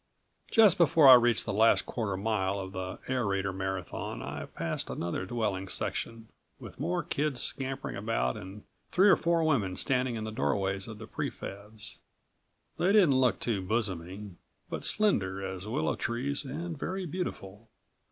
Just before I reached the last quarter mile of the aerator marathon I passed another dwelling section, with more kids scampering about and three or four women standing in the doorways of the pre fabs. They didn't look big bosomy, but slender as willow trees and very beautiful.